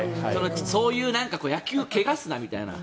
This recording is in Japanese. そういう野球を汚すなみたいな。